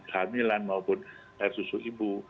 hamilan maupun air susu ibu